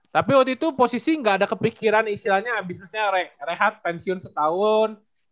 tapi waktu itu posisi gak ada kepikiran istilahnya bisnisnya rehat pensiun setahun